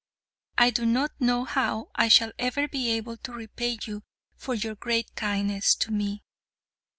I do not know how I shall ever be able to repay you for your great kindness to me.